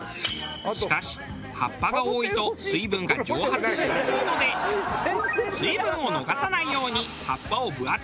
しかし葉っぱが多いと水分が蒸発しやすいので水分を逃さないように葉っぱを分厚く進化。